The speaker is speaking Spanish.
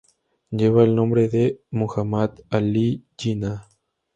Lleva el nombre de Muhammad Ali Jinnah.